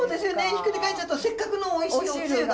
ひっくり返っちゃうとせっかくのおいしいおつゆが。